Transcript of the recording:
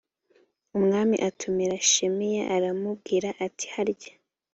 umwami atumira shimeyi aramubwira ati harya